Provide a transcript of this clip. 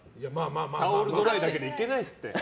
タオルドライだけでいけないですって。